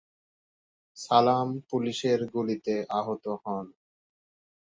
সালাম পুলিশের গুলিতে আহত হন।